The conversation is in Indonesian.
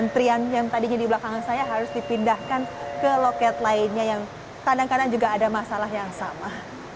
terian yang tadi jadi belakangan saya harus dipindahkan ke loket lainnya yang kadang kadang juga ada masalah yang sama